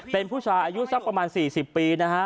เป็นผู้ชายอายุสักประมาณ๔๐ปีนะฮะ